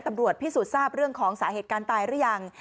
พิสูจน์ทราบเรื่องของสาเหตุการณ์ตายหรือยัง